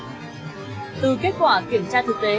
từ kết quả kiểm tra thực tế